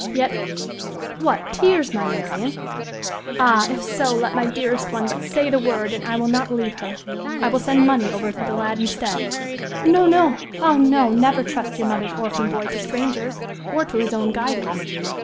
Yet What! tears, my Marian! Ah, if so! let my dearest one but say the word, and I will not leave her. I will send money over to the lad instead." "No, no! Ah! no, never trust your mother's orphan boy to strangers, or to his own guidance.